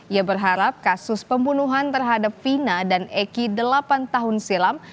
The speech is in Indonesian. ia berharap kasus pembunuhan terhadap fina dan eki delapan tahun silam